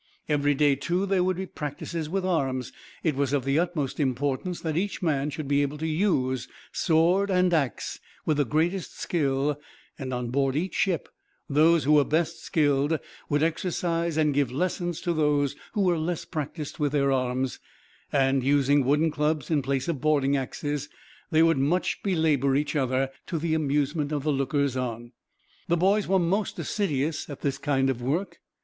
Every day, too, there would be practices with arms. It was of the utmost importance that each man should be able to use sword and axe with the greatest skill; and on board each ship those who were best skilled would exercise and give lessons to those who were less practiced with their arms; and, using wooden clubs in place of boarding axes, they would much belabor each other, to the amusement of the lookers on. The boys were most assiduous at this kind of work.